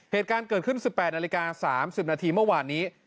เหตุการณ์เกิดขึ้น๑๘นาฬิกา๓๐นาทีเมื่อวานนี้